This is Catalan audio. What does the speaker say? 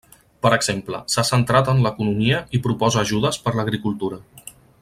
Per exemple, s'ha centrat en l'economia i proposa ajudes per l'agricultura.